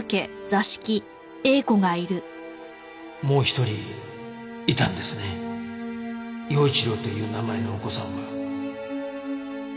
もう一人いたんですね耀一郎という名前のお子さんは。